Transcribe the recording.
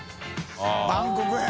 バンコク編」